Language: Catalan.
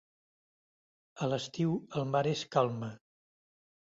A l'estiu, el mar es calma.